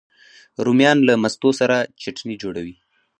رومیان له مستو سره چټني جوړوي